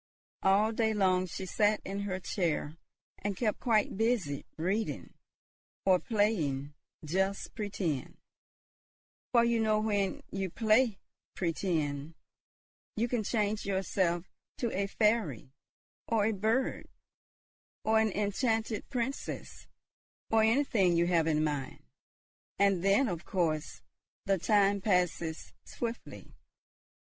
All day long she sat in her chair and kept quite busy reading, or playing "just pretend;" for you know when you play "pretend," you can change yourself to a fairy, or a bird, or an enchanted princess, or anything you have in mind; and then, of course, the time passes swiftly.